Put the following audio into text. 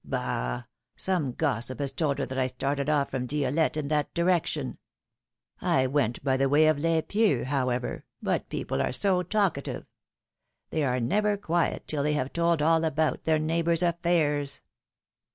Bah ! some gossip has told her that I started off from Dielette in that direction. I went by the way of Les Pieux, however, but people are so talk ative ! They are never quiet till they have told all about their neighbor's affairs!"